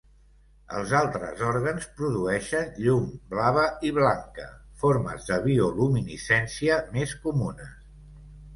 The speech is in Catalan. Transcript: Els altres òrgans produeixen llum blava i blanca, formes de bioluminescència més comunes.